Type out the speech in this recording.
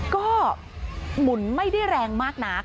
ก็หมุนไม่ได้แรงมากนัก